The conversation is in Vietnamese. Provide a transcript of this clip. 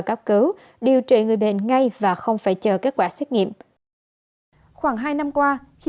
cấp cứu điều trị người bệnh ngay và không phải chờ kết quả xét nghiệm khoảng hai năm qua khi